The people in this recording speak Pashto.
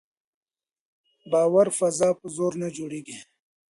د باور فضا په زور نه جوړېږي